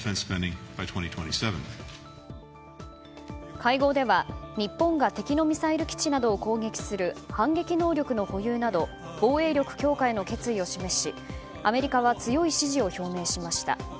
会合では日本が敵のミサイル基地などを攻撃する反撃能力の保有など防衛力強化への決意を示しアメリカは強い支持を表明しました。